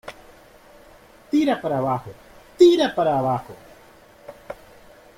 ¡ tira para abajo! ¡ tira para abajo !